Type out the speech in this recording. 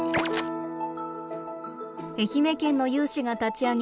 愛媛県の有志が立ち上げ